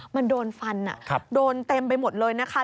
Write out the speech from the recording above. มันโดนฟันโดนเต็มไปหมดเลยนะคะ